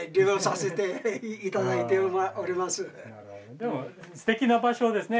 でもすてきな場所ですね